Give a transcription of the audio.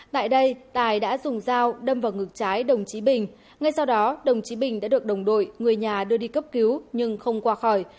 tại đây tài đã dùng dao đâm vào ngực trái đồng chí bình ngay sau đó đồng chí bình đã được đồng đội người nhà đưa đi cấp cứu nhưng không qua khỏi